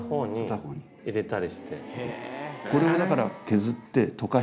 これはだから。